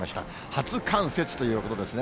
初冠雪ということですね。